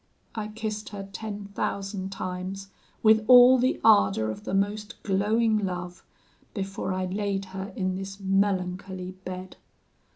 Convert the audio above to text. I kissed her ten thousand times with all the ardour of the most glowing love, before I laid her in this melancholy bed.